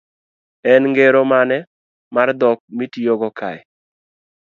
En ngero mane mar dhok mitiyogo kae?